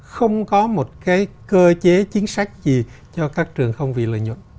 không có một cái cơ chế chính sách gì cho các trường không vì lợi nhuận